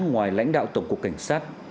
ngoài lãnh đạo tổng cục cảnh sát